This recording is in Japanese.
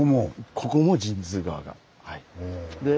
ここも神通川が。